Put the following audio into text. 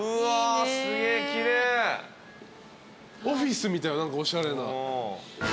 オフィスみたい何かおしゃれな。